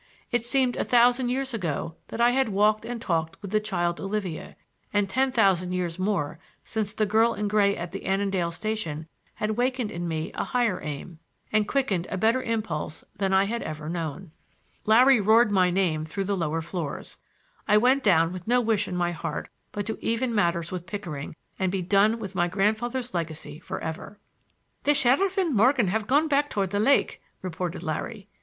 It seemed a thousand years ago that I had walked and talked with the child Olivia; and ten thousand years more since the girl in gray at the Annandale station had wakened in me a higher aim, and quickened a better impulse than I had ever known. Larry roared my name through the lower floors. I went down with no wish in my heart but to even matters with Pickering and be done with my grandfather's legacy for ever. "The sheriff and Morgan have gone back toward the lake," reported Larry.